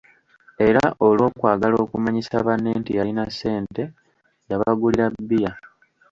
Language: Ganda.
Era olw'okwagala okumanyisa banne nti yalina ssente, yabagulira bbiya!